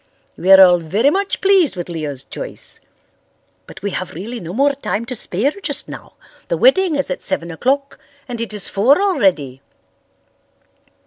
We are all very much pleased with Leo's choice. But we have really no more time to spare just now. The wedding is at seven o'clock and it is four already."